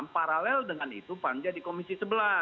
paralel dengan itu panja di komisi sebelas